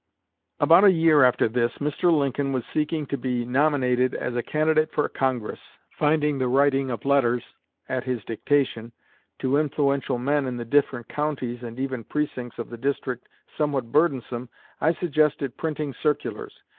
"About a year after this, Mr. Lincoln was seeking to be nominated as a candidate for Congress. Finding the writing of letters (at his dictation) to influential men in the different counties and even precincts of the district somewhat burdensome, I suggested printing circulars.